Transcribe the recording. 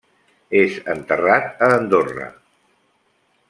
És enterrat a Andorra.